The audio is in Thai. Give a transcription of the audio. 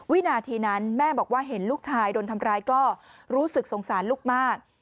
วินาทีนั้นแม่บอกว่าเห็นลูกชายโดนทำร้ายก็รู้สึกสงสารลูกมาก